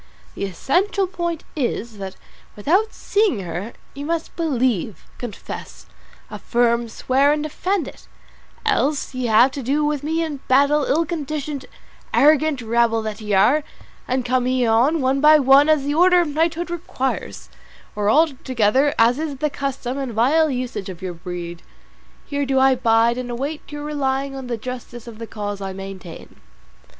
The essential point is that without seeing her you must believe, confess, affirm, swear, and defend it; else ye have to do with me in battle, ill conditioned, arrogant rabble that ye are; and come ye on, one by one as the order of knighthood requires, or all together as is the custom and vile usage of your breed, here do I bide and await you relying on the justice of the cause I maintain."